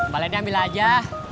baletnya ambil aja